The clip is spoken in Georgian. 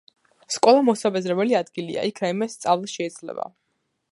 სკოლა მოსაბეზრებელი ადგილია, იქ რაიმეს შსწავლა შეიძლება